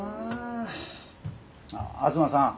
あっ東さん。